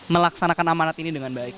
melaksanakan amanat ini dengan baik